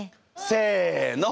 せの！